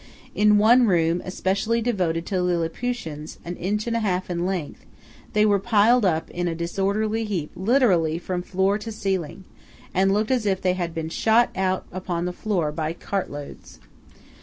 In one room especially devoted to Lilliputians an inch and a half in length, they were piled up in a disorderly heap literally from floor to ceiling, and looked as if they had been shot out upon the floor by cartloads.